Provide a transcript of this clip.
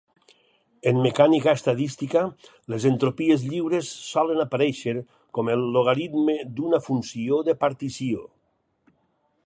En mecànica estadística, les entropies lliures solen aparèixer com el logaritme d'una funció de partició.